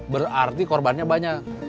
berarti korbannya banyak